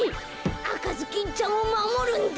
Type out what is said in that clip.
あかずきんちゃんをまもるんだ。